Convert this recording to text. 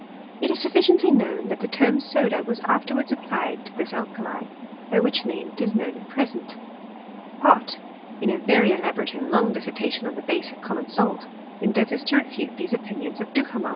It is sufficiently known Sbat the term soda was afterwards applied to this al kali ; by which name it is known at present. Pott, in a yery elaborate and Iqng dissertation on the base of common salt, endeavours to refute these opinions of Duhamel.